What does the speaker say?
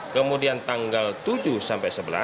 kemudian tanggal tujuh sampai sebelas